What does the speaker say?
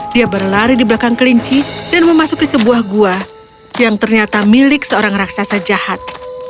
dia berlari di belakang kelinci dan memasuki sebuah gua yang ternyata milik seorang raksasa jahat